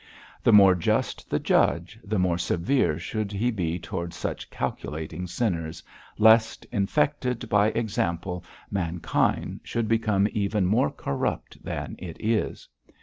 The more just the judge, the more severe should he be towards such calculating sinners, lest, infected by example, mankind should become even more corrupt than it is.